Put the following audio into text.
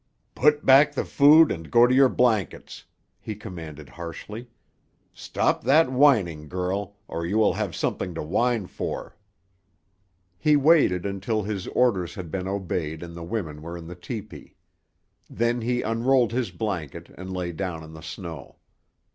"Put back the food and go to your blankets," he commanded harshly. "Stop that whining, girl, or you will have something to whine for." He waited until his orders had been obeyed and the women were in the tepee. Then he unrolled his blanket and lay down on the snow.